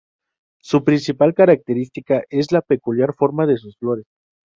Su principal característica es la peculiar forma de sus flores.